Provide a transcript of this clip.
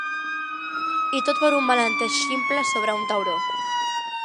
I tot per un malentès ximple sobre un tauró.